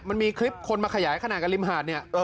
มันมีคลิปคนมาขยายขนาดกันริมหาดเนี่ย